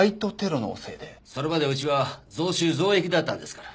それまでうちは増収増益だったんですから。